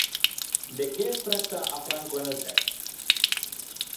De què es tracta a Franco en el text?